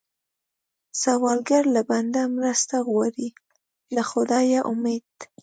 سوالګر له بنده مرسته غواړي، له خدایه امید